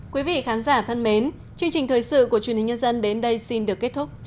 quý vị khán giả thân mến chương trình thời sự của truyền hình nhân dân đến đây xin được kết thúc